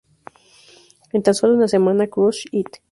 En tan solo una semana "Crush It!